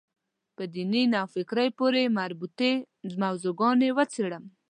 په دیني نوفکرۍ پورې مربوطې موضوع ګانې وڅېړم.